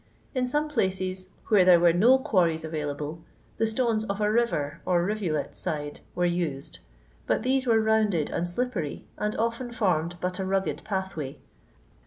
In some places, where there were no quarries available, the stones of a river or rivulet side weia used, but these were rounded and slippery, and often formed but a rugged pathway.